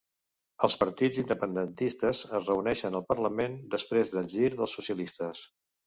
Els partits independentistes es reuneixen al Parlament després del gir dels socialistes